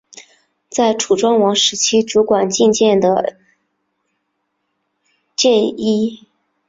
在楚庄王时期任主管进谏的箴尹。